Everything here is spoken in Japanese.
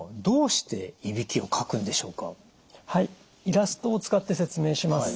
イラストを使って説明します。